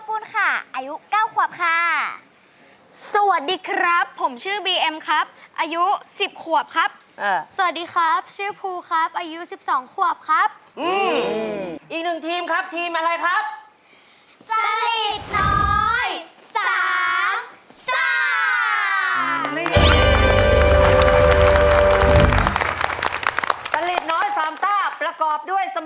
โอ๊ยมีผู้ชาย